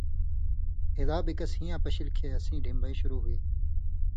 ہِلا بے کس ہی یاں پشِلیۡ کھیں اسیں ڈِھمبَیں شُروع ہُوئے۔